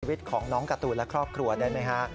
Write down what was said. ชีวิตของน้องการ์ตูนและครอบครัวได้ไหมฮะ